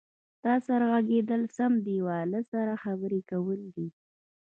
تا سره غږېدل سم دیواله سره خبرې کول دي.